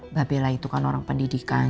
mbak bella itu kan orang pendidikan